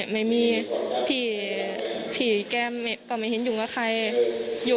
ไม่มีผีแก้มก่อนไม่เห็นอยู่กับใคร